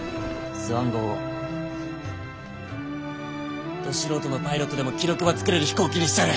スワン号をど素人のパイロットでも記録ば作れる飛行機にしちゃる。